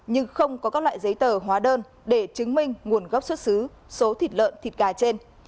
nhưng không có các loại giấy tờ hóa đơn để chứng minh nguồn gốc xuất xứ số thịt lợn thịt gà trên